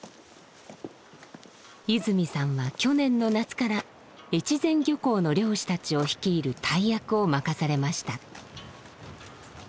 泉さんは去年の夏から越前漁港の漁師たちを率いる大役を任されました。